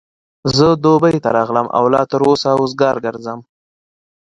زه دبۍ ته راغلم او لا تر اوسه وزګار ګرځم.